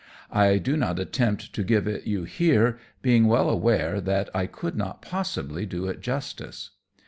I do not attempt to give it you here, being well aware that I could not possibly do it justice.